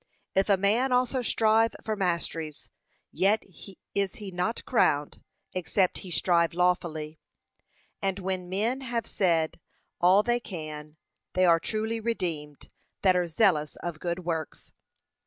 'If a man also strive for masteries, yet is he not crowned, except he strive lawfully.' And when men have said all they can, they are the truly redeemed 'that are zealous of good works.'